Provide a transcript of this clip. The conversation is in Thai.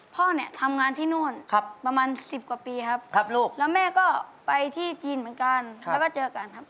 พ่อเนี่ยทำงานที่โน่นประมาณ๑๐กว่าปีครับลูกแล้วแม่ก็ไปที่จีนเหมือนกันแล้วก็เจอกันครับ